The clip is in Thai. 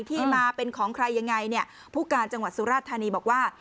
ที่มาเป็นของใครยังไงเนี่ยผู้การจังหวัดสุราชธานีบอกว่า